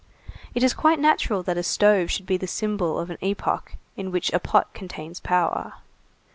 It is quite natural that a stove should be the symbol of an epoch in which a pot contains power.